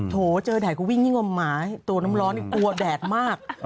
โถเจอแดดก็วิ่งยิ่งงมหมาตัวน้ำร้อนนี่กลัวแดดมาก